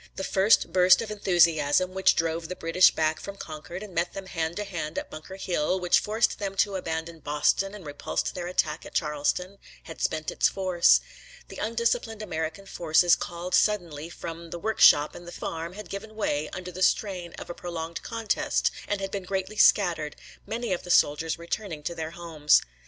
The first burst of enthusiasm, which drove the British back from Concord and met them hand to hand at Bunker Hill, which forced them to abandon Boston and repulsed their attack at Charleston, had spent its force. The undisciplined American forces called suddenly from the workshop and the farm had given way, under the strain of a prolonged contest, and had been greatly scattered, many of the soldiers returning to their homes.